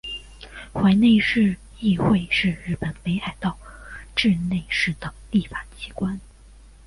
稚内市议会是日本北海道稚内市的立法机关。